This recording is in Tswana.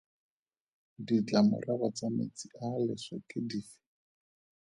Ditlamorago tsa metsi a a leswe ke dife?